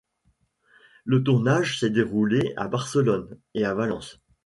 Le tournage s'est déroulé à Barcelone et Valence.